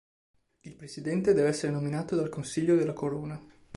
Il presidente deve essere nominato dal Consiglio della Corona.